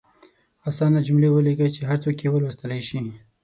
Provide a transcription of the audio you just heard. اسانه جملې ولیکئ چې هر څوک یې ولوستلئ شي.